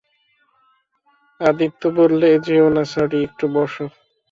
আদিত্য বললে, যেয়ো না সরি, একটু বোসো।